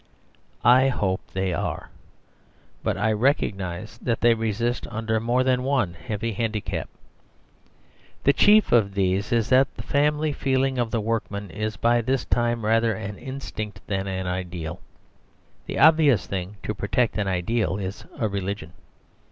I hope they are; but I recognise that they resist under more than one heavy handicap. The chief of these is that the family feeling of the workmen is by this time rather an instinct than an ideal. The obvious thing to protect an ideal is a religion.